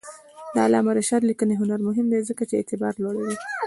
د علامه رشاد لیکنی هنر مهم دی ځکه چې اعتبار لوړوي.